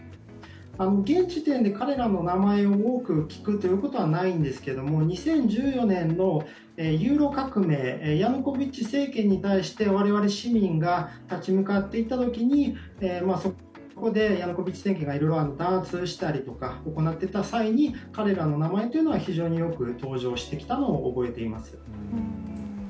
現時点で彼らの名前を多く聞くということはないんですけれども２０１４年のユーロ革命、当時のヤヌコビッチ政権に対して我々市民が立ち向かっていったときにそこでヤヌコビッチ政権が弾圧をしたりしていた際に彼らの名前が非常によく登場していたことを覚えています。